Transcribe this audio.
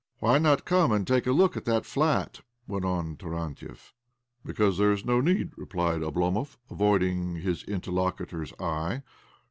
" Why not come and take a look at that flat?" went on Tarantiev. " Because there is no need," replied Oblo movj avoiding his interlocutor's eye.